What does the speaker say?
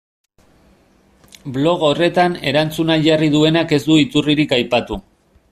Blog horretan erantzuna jarri duenak ez du iturririk aipatu.